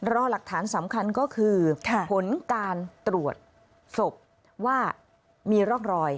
รอหลักฐานสำคัญก็คือผลการตรวจศพว่ามีร่องรอย